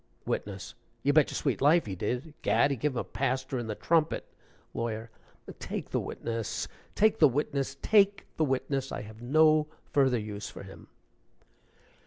WITNESS. "You bet your sweet life he did. Gad! he gave him a paster in the trumpet " LAWYER. "Take the witness! take the witness! take the witness! I have no further use for him."